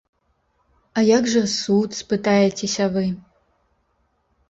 А як жа суд, спытаецеся вы?